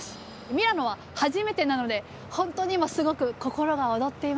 ミラノは初めてなので本当に今すごく心が躍っています。